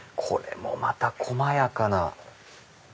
これもまた細やかな。